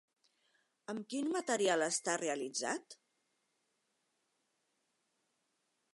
Amb quin material està realitzat?